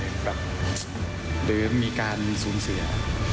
แบบหรือมีการศูนย์เสีย